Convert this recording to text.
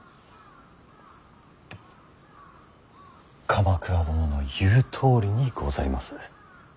鎌倉殿の言うとおりにございます。